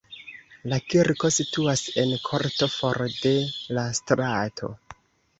La kirko situas en korto for de la strato.